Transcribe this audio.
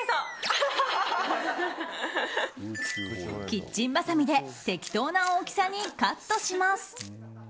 キッチンばさみで適当な大きさにカットします。